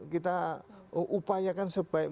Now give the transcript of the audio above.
kita upayakan sebaik